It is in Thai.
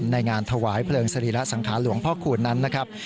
ในงานถวายเพลิงสรีระสังขารหลวงพ่อคูณนั้นนะครับ